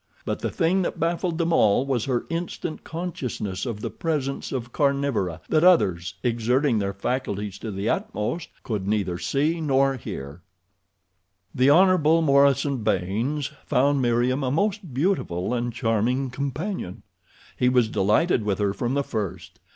But the thing that baffled them all was her instant consciousness of the presence of carnivora that others, exerting their faculties to the utmost, could neither see nor hear. The Hon. Morison Baynes found Meriem a most beautiful and charming companion. He was delighted with her from the first.